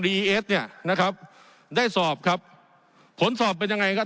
เอสเนี่ยนะครับได้สอบครับผลสอบเป็นยังไงครับ